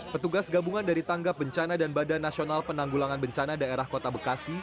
petugas gabungan dari tangga bencana dan badan nasional penanggulangan bencana daerah kota bekasi